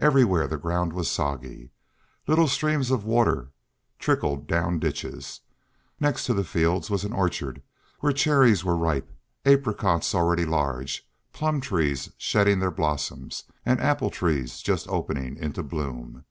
Everywhere the ground was soggy; little streams of water trickled down ditches. Next to the fields was an orchard, where cherries were ripe, apricots already large, plum trees shedding their blossoms, and apple trees just opening into bloom.